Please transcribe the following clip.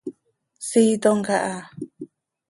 Siitom caha.